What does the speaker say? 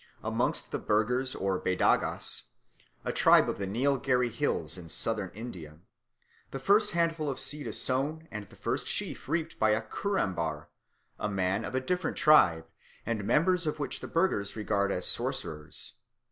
Amongst the Burghers or Badagas, a tribe of the Neilgherry Hills in Southern India, the first handful of seed is sown and the first sheaf reaped by a Curumbar, a man of a different tribe, the members of which the Burghers regard as sorcerers.